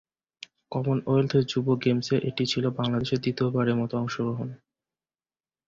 Commonwealth যুব গেমসে এটি ছিলো বাংলাদেশের দ্বিতীয়বারের মতো অংশগ্রহণ।